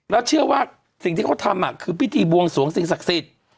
แล้วเชื่อว่าสิ่งที่เขาทำคือพิธีบวงสวงสิ่งศักดิ์สิทธิ์